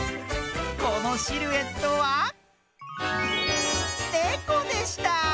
このシルエットはねこでした。